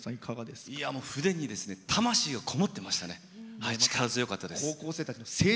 筆に魂がこもってましたね力強かったです。